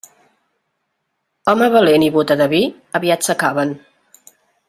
Home valent i bóta de vi, aviat s'acaben.